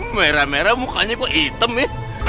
merah merah mukanya kok hitam ya